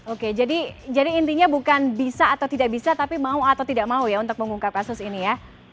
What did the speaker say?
oke jadi intinya bukan bisa atau tidak bisa tapi mau atau tidak mau ya untuk mengungkap kasus ini ya